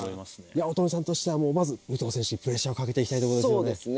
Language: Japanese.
八乙女さんとしてはまず武藤選手にプレッシャーをかけていきたいところですよね。